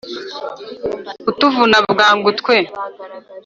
utuvuna bwangu twe